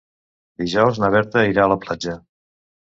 Dijous na Berta irà a la platja.